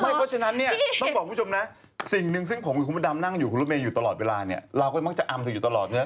เพราะฉะนั้นเนี่ยต้องบอกคุณผู้ชมนะสิ่งหนึ่งซึ่งผมกับคุณพระดำนั่งอยู่คุณรถเมย์อยู่ตลอดเวลาเนี่ยเราก็มักจะอำเธออยู่ตลอดนะ